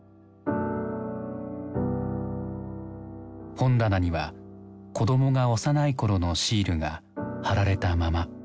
本棚には子どもが幼い頃のシールが貼られたまま。